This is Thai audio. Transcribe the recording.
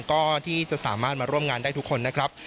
ก็ที่จะสามารถมาร่วมงานได้ทุกคนนะครับ